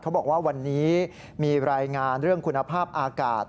บอกว่าวันนี้มีรายงานเรื่องคุณภาพอากาศ